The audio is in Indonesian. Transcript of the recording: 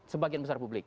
sebagian besar publik